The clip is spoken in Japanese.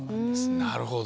なるほど。